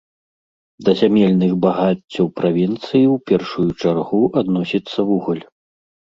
Да зямельных багаццяў правінцыі ў першую чаргу адносіцца вугаль.